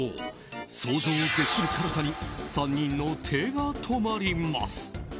想像を絶する辛さに３人の手が止まります。